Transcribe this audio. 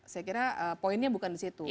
saya kira poinnya bukan disitu